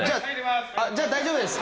あっじゃあ大丈夫です。